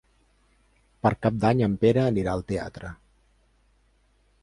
Per Cap d'Any en Pere anirà al teatre.